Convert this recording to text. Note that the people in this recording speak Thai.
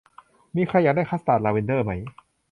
มีใครอยากได้คัสตาร์ดลาเวนเดอร์ไหม